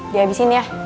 di abisin ya